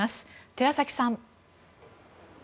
寺崎さん。